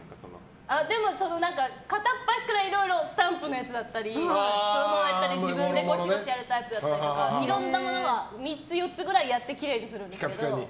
片っ端からスタンプのやつだったり自分でごしごしやるタイプだったりいろんなものが３つ４つくらいやってきれいにするんですけど。